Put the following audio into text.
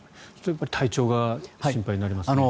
体調が心配になりますね。